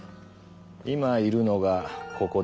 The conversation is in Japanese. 今いるのがここだ。